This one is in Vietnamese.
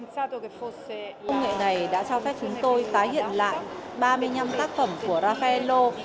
công nghệ này đã cho phép chúng tôi tái hiện lại ba mươi năm tác phẩm của raffaello